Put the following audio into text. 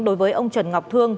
đối với ông trần ngọc thương